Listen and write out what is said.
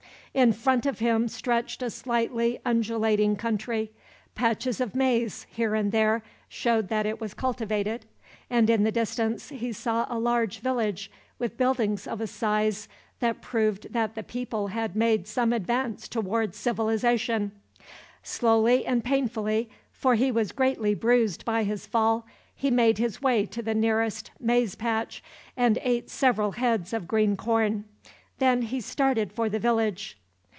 In front of him stretched a slightly undulating country. Patches of maize, here and there, showed that it was cultivated; and in the distance he saw a large village, with buildings of a size that proved that the people had made some advance towards civilization. Slowly and painfully, for he was greatly bruised by his fall, he made his way to the nearest maize patch, and ate several heads of green corn. Then he started for the village.